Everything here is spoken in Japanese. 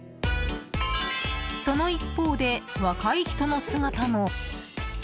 その一方で、若い人の姿も。